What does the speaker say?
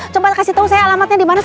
coba kasih tau saya alamatnya dimana